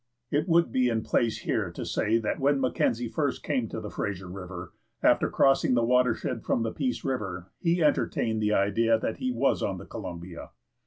It would be in place here to say that when Mackenzie first came to the Fraser River, after crossing the watershed from the Peace River, he entertained the idea that he was on the Columbia.